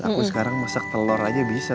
aku sekarang masak telur aja bisa